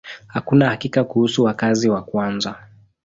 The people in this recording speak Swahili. Hakuna hakika kuhusu wakazi wa kwanza.